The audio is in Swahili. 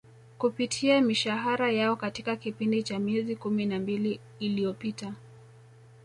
kupitia mishahara yao katika kipindi cha miezi kumi na mbili iliopita